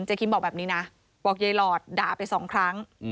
คิมบอกแบบนี้นะบอกยายหลอดด่าไปสองครั้ง